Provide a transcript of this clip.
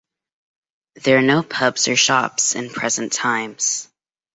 There are no pubs or shops in present times.